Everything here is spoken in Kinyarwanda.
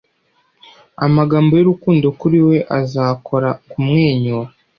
Amagambo y'urukundo kuri We azakora kumwenyura